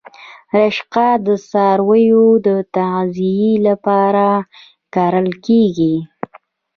رشقه د څارویو د تغذیې لپاره کرل کیږي